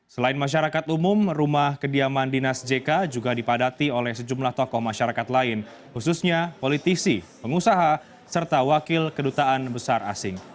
selain masyarakat umum rumah kediaman dinas jk juga dipadati oleh sejumlah tokoh masyarakat lain khususnya politisi pengusaha serta wakil kedutaan besar asing